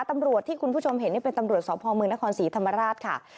ตำรวจที่คุณผู้ชมเห็นนี่เป็นตำรวจสพมนครศรีธรรมราชค่ะ